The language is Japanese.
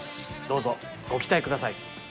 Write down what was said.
どうぞご期待ください。